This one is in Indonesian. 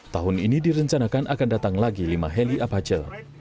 tahun ini direncanakan akan datang lagi lima heli apache